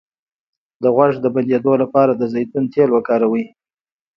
د غوږ د بندیدو لپاره د زیتون تېل وکاروئ